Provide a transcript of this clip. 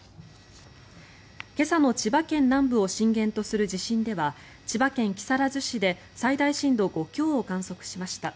今朝の千葉県南部を震源とする地震では千葉県木更津市で最大震度５強を観測しました。